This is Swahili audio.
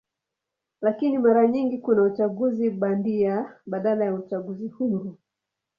Lakini mara nyingi kuna uchaguzi bandia badala ya uchaguzi huru.